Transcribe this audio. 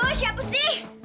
oh siapa sih